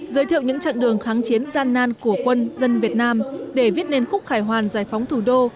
giới thiệu những chặng đường kháng chiến gian nan của quân dân việt nam để viết nên khúc khải hoàn giải phóng thủ đô